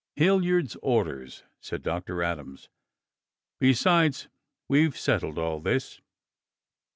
"Hilliard's orders," said Dr. Adams. "Besides, we've settled all this.